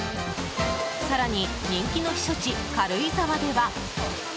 更に人気の避暑地、軽井沢では。